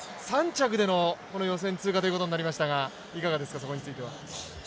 ３着での予選通過となりましたがいかがでしたか。